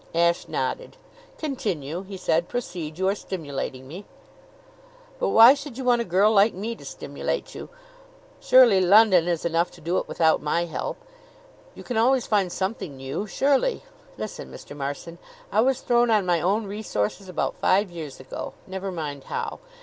Ashe nodded. "Continue," he said. "Proceed. You are stimulating me." "But why should you want a girl like me to stimulate you? Surely London is enough to do it without my help? You can always find something new, surely? Listen, Mr. Marson. I was thrown on my own resources about five years ago never mind how.